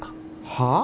はあ！？